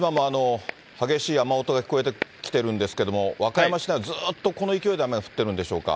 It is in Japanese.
宗像さん、今も激しい雨音が聞こえてきてるんですけれども、和歌山市内はずっとこの勢いで雨が降ってるんでしょうか。